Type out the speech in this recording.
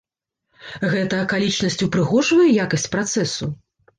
Гэта акалічнасць упрыгожвае якасць працэсу?